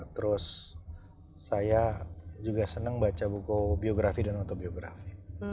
terus saya juga senang baca buku biografi dan autobiografi